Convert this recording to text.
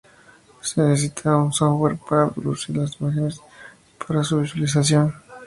Se necesitaba un software para producir las imágenes para su visualización.